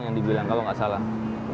seolah olah istilahnya mata elang